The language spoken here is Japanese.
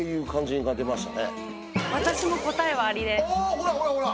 ほらほらほら！